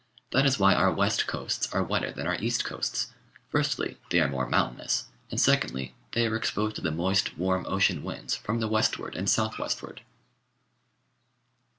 That is why our west coasts are wetter than our east coasts ; firstly, they are more mountainous, and secondly, they are exposed to the moist warm ocean winds from the westward and south westward.